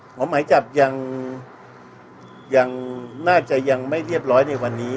หมายจับยังน่าจะยังไม่เรียบร้อยในวันนี้